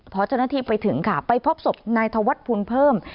พศนไปถึงค่ะไปพบศพนายธวรรดิ์พูลเพิ่ม